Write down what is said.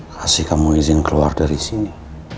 kasih kamu izin keluar dari sini